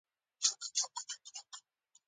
لښکر ترتیب کړم.